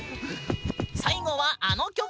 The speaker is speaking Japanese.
最後はあの曲！